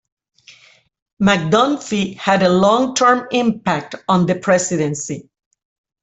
McDunphy had a long-term impact on the presidency.